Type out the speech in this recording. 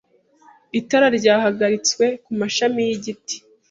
Itara ryahagaritswe kumashami yigiti.